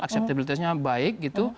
akseptabilitasnya baik gitu